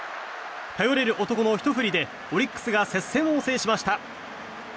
頼れる男のひと振りでオリックスが接戦を制しました。